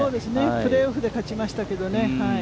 プレーオフで勝ちましたけどね。